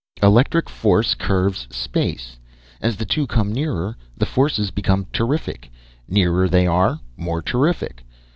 "Electric force curves space. As the two come nearer, the forces become terrific; nearer they are; more terrific.